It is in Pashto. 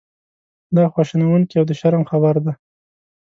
دا خواشینونکې او د شرم خبره ده.